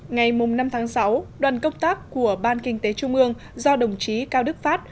ngày năm tháng sáu đoàn công tác của ban kinh tế trung ương do đồng chí cao đức phát